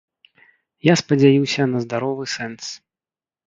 Я спадзяюся на здаровы сэнс.